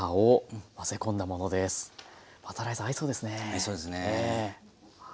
合いそうですね。